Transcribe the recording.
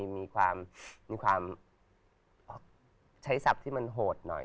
มีความใช้ศัพท์ที่มันโหดหน่อย